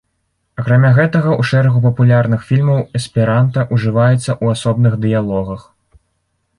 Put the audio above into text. Акрамя гэтага, у шэрагу папулярных фільмаў эсперанта ужываецца ў асобных дыялогах.